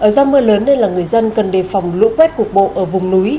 do mưa lớn nên là người dân cần đề phòng lũ quét cục bộ ở vùng núi